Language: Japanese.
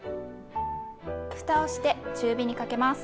ふたをして中火にかけます。